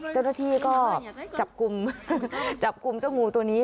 เจ้าหน้าที่ก็จับกลุ่มเจ้างูตัวนี้